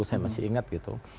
saya masih ingat gitu